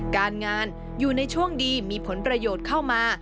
การงานอยู่ในช่วงดีมีผลประโยชน์เข้ามา